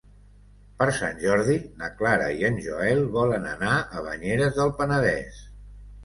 Per Sant Jordi na Clara i en Joel volen anar a Banyeres del Penedès.